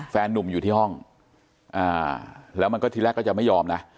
นุ่มอยู่ที่ห้องแล้วมันก็ทีแรกก็จะไม่ยอมนะ